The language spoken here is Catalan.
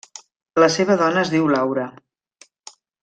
La seva dona es diu Laura.